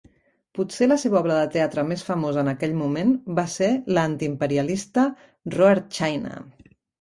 Potser la seva obra de teatre més famosa en aquell moment va ser la antiimperialista Roar China!